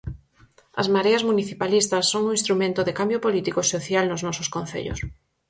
As mareas municipalistas son o instrumento de cambio político e social nos nosos concellos.